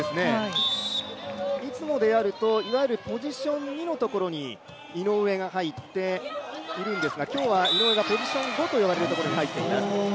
いつもであると、いわゆるポジション２のところに井上が入っているんですが今日は井上がポジション５といわれるところに入っています。